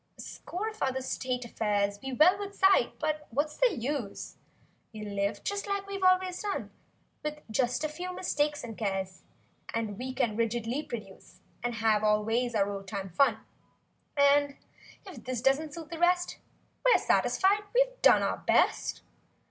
90 A score of other "state" affairs We well could cite, but what's the use! We'll live just like we've always done With just a few mistakes and cares And we can rigidly produce And have always our oldtime fun. And if this doesn't suit the rest— We're satisfied. We've done our best.